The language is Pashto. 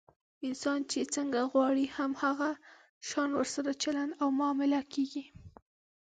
انسان چې څنګه غواړي، هم هغه شان ورسره چلند او معامله کېږي.